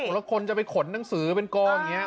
แล้วคนจะไปขนหนังสือเป็นกองอย่างนี้